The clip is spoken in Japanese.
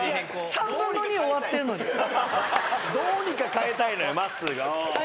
どうにかかえたいのよまっすーが。